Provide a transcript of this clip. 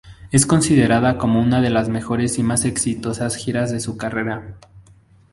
Es considerada como una de las mejores y más exitosas giras de su carrera.